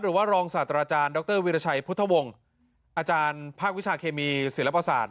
รองศาสตราจารย์ดรวิรชัยพุทธวงศ์อาจารย์ภาควิชาเคมีศิลปศาสต